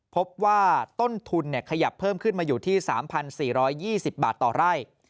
พบว่าต้นทุนขยับเพิ่มขึ้นมาอยู่ที่๓๔๒๐บาทต่อไร่